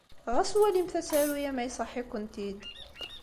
Ɣas walimt asaru-a ma iṣaḥ-ikent-id.